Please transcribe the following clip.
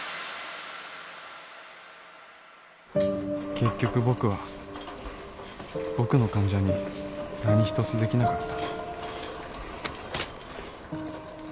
結局僕は僕の患者に何ひとつできなかった